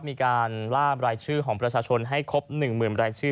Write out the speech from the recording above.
มีการล่ามรายชื่อของประชาชนให้ครบหนึ่งหมื่นรายชื่อ